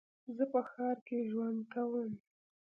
زه په ښار کې ژوند کوم.